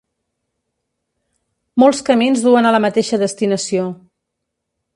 Molts camins duen a la mateixa destinació.